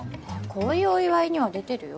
こういうお祝いには出てるよ。